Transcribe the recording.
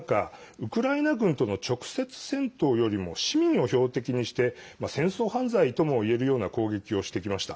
ウクライナ軍との直接戦闘よりも市民を標的にして戦争犯罪ともいえるような攻撃をしてきました。